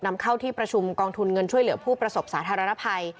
นำเข้าที่ประชุมกองทุนเงินช่วยเหลือผู้ประสบสาธารณภัย